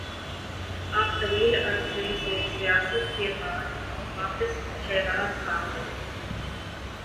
آپ طویل عرصہ سے سیاحت کے بعد واپس شیراز آگئے-